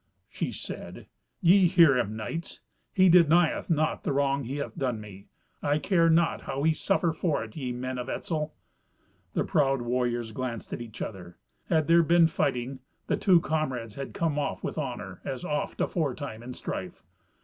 She said, "Ye hear him, knights! He denieth not the wrong he hath done me. I care not how he suffer for it, ye men of Etzel." The proud warriors glanced at each other. Had there been fighting, the two comrades had come off with honour, as oft aforetime in strife.